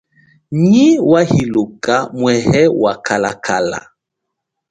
Nyi wa hiluka mwehe wa kalakala.